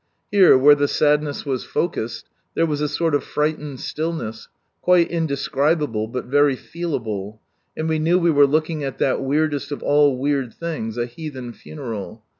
Here, where the sad ness was' focussed, there was a sort of frightened stillness, quite indescribable but very feelable, and we knew we were looking at that weirdest of all weird things, a heathen funeral.